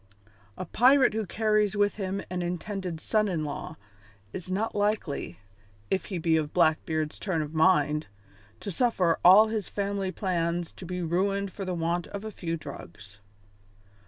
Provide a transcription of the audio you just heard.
A pirate who carries with him an intended son in law is not likely, if he be of Blackbeard's turn of mind, to suffer all his family plans to be ruined for the want of a few drugs.